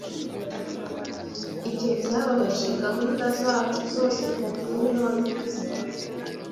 Ibyo byababaje gahunda zacu zose fabien niwe wabivuze